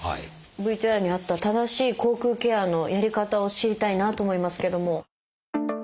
ＶＴＲにあった正しい口腔ケアのやり方を知りたいなと思いますけども。